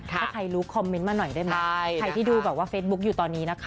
ถ้าใครรู้คอมเมนต์มาหน่อยได้ไหมใครที่ดูแบบว่าเฟซบุ๊คอยู่ตอนนี้นะคะ